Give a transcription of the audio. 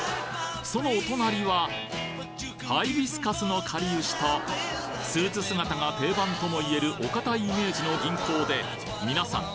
そのお隣はハイビスカスのかりゆしとスーツ姿が定番ともいえるお堅いイメージの銀行でみなさん